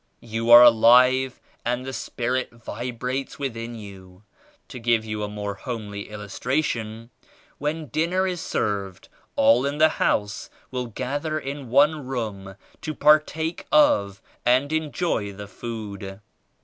You are alive and the Spirit vibrates within you. To give you a more homely illustration : When dinner is served, all in the house will gather in one room to partake of and enjoy the food.